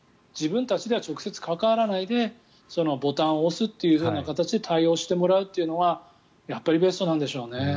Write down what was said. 自分たちでは直接関わらないでボタンを押すという形で対応してもらうっていうのがやっぱりベストなんでしょうね。